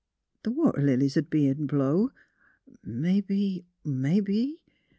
" The water lilies 'ud be in blow. Mebbe — mebbe. .